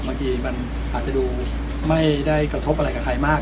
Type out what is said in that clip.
บางทีมันอาจจะดูไม่ได้กระทบอะไรกับใครมาก